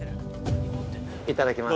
◆いただきます。